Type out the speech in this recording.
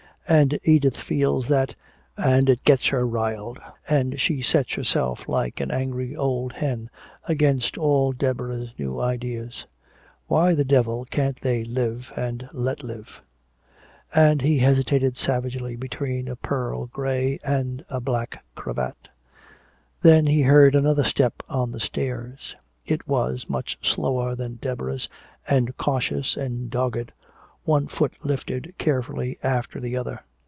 And Edith feels that, and it gets her riled, and she sets herself like an angry old hen against all Deborah's new ideas. Why the devil can't they live and let live?" And he hesitated savagely between a pearl gray and a black cravat. Then he heard another step on the stairs. It was much slower than Deborah's, and cautious and dogged, one foot lifted carefully after the other.